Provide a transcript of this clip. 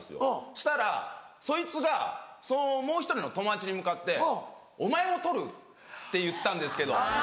そしたらそいつがそのもう１人の友達に向かって「お前も撮る？」って言ったんですけど。